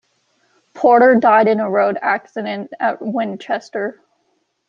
Porter died in a road accident at Winchester.